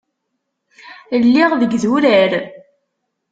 Lliɣ deg idurar.